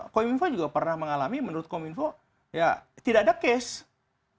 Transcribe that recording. kominfo juga pernah mengalami menurut kominfo ya tidak ada case